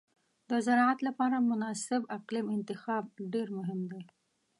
د زراعت لپاره مناسب اقلیم انتخاب ډېر مهم دی.